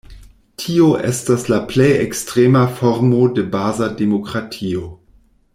Tio estas la plej ekstrema formo de baza demokratio.